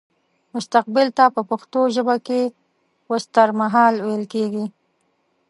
مستقبل ته په پښتو ژبه کې وستهرمهال ويل کيږي